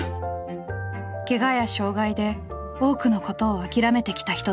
けがや障害で多くのことを諦めてきた人たち。